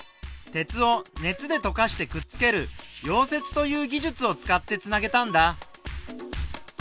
鉄を熱でとかしてくっつける「溶接」という技術を使ってつなげたんだ。